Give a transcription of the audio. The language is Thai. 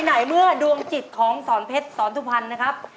ไหนเมื่อดวงจิตของสอนเพชรสอนสุพรรณนะครับ